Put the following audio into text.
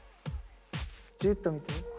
じーっと見て。